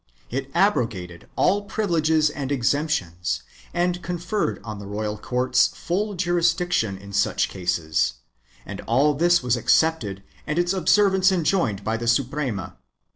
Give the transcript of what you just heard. It abrogated all privileges and exemptions and conferred on the royal courts full jurisdiction in such cases, and all this was accepted and its observance enjoined by the Suprema.